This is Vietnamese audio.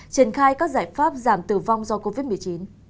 triển khai các giải pháp giảm tử vong do covid một mươi chín